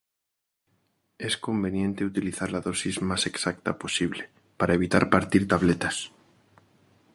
Es conveniente utilizar la dosis más exacta posible, para evitar partir tabletas.